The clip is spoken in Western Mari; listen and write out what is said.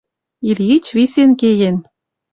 Ильич висен кеен...